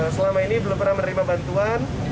selama ini belum pernah menerima bantuan